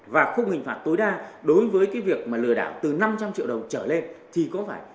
và khung hình phạt tối đa đối với cái việc mà lừa đảo từ năm trăm linh triệu đồng trở lên thì có phải